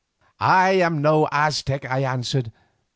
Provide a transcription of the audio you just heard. "I am no Aztec," I answered.